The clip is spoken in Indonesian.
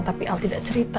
tapi al tidak cerita